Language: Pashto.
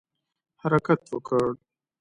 حرکت وکړ.